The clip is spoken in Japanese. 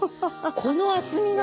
この厚みが。